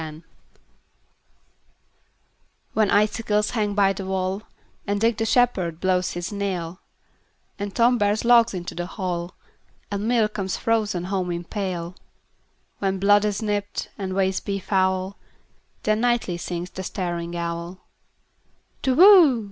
Winter WHEN icicles hang by the wallAnd Dick the shepherd blows his nail, And Tom bears logs into the hall, And milk comes frozen home in pail; When blood is nipt, and ways be foul, Then nightly sings the staring owlTu whoo!